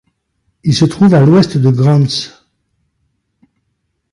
Il se trouve à à l'ouest de Grants.